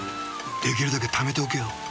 できるだけためておけよ。